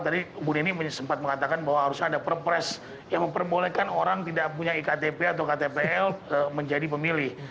tadi bu nini sempat mengatakan bahwa harusnya ada perpres yang memperbolehkan orang tidak punya iktp atau ktpl menjadi pemilih